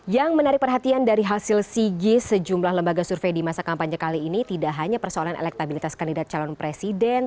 yang menarik perhatian dari hasil sigis sejumlah lembaga survei di masa kampanye kali ini tidak hanya persoalan elektabilitas kandidat calon presiden